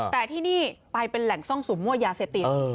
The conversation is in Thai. แต่ที่นี่ไปเป็นแหล่งซ่องสุมมั่วยาเสพติด